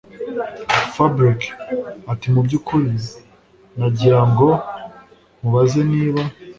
Fabric atimubyukuri nagiraga ngo nkubaze niba